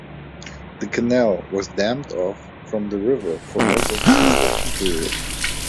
The canal was dammed off from the river for most of the construction period.